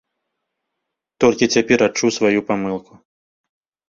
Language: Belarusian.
Толькі цяпер адчуў сваю памылку.